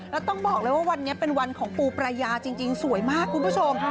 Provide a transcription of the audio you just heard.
แล้วต้องบอกเลยว่าวันนี้เป็นวันของปูปรายาจริงสวยมากคุณผู้ชม